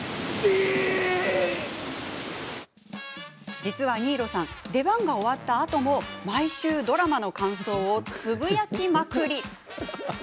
実は新納さん出番が終わったあとも毎週ドラマの感想をつぶやきまくり！